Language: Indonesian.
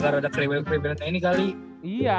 ada krebelan krebelan kayak gini kali